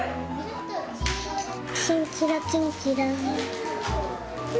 キンキラキンキラ。